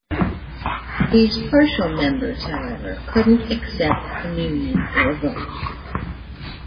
These partial members, however, couldn't accept communion or vote.